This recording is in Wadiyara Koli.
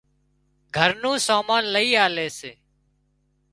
گھر نُون سامان لئي آلي سي